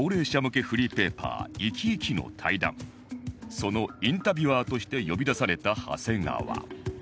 そのインタビュアーとして呼び出された長谷川